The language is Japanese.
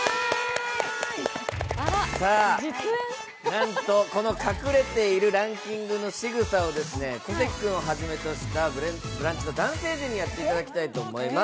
なんとこの隠れているランキングのしぐさを小関君をはじめとした「ブランチ」の男性陣にやっていただきたいと思います。